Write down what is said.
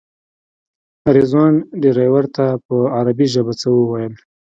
رضوان ډریور ته په عربي ژبه څه وویل.